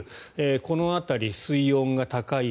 この辺り、水温が高い。